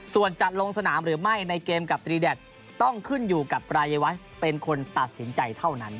ส่วนจะลงสนามหรือไม่ในเกมกับตรีแดดต้องขึ้นอยู่กับปรายวัชเป็นคนตัดสินใจเท่านั้น